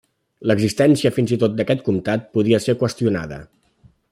L'existència fins i tot d'aquest comtat podia ser qüestionada.